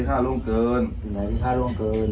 สิ่งไหนที่ข้าร่วมเกิน